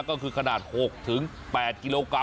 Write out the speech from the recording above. ก็คือ๖๘กิโลกรัม